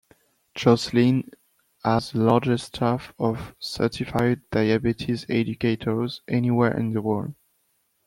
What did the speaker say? Joslin has the largest staff of Certified Diabetes Educators anywhere in the world.